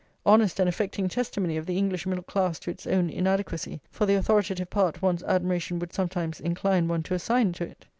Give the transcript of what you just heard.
Honest and affecting testimony of the English middle class to its own inadequacy for the authoritative part one's admiration would sometimes incline one to assign to it!